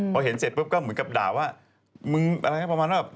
พอเห็นเสร็จปุ๊บเขาก็เหมือนกับด่าว